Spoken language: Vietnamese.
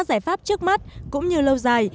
giải pháp trước mắt cũng như lâu dài